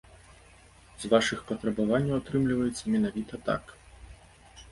З вашых патрабаванняў атрымліваецца менавіта так.